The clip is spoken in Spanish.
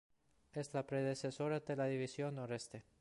Es la predecesora de la División Noreste.